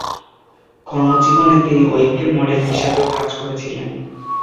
কর্মজীবনে তিনি webcam model হিসাবেও কাজ করেছিলেন।